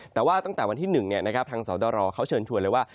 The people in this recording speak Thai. แต่ว่าตั้งแต่วันที่๑ทางสอดรเขาเชิญชวนเลยว่า